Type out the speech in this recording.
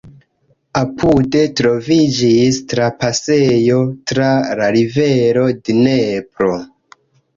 Apude troviĝis trapasejo tra la rivero Dnepro.